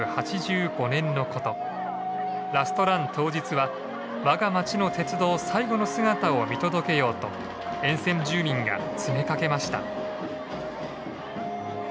ラストラン当日は我が町の鉄道最後の姿を見届けようと沿線住民が詰めかけました。